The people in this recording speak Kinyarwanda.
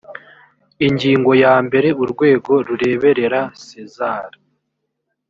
ingingo ya mbere urwego rureberera sezar